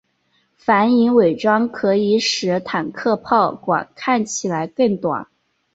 反影伪装可以使坦克炮管看起来更短。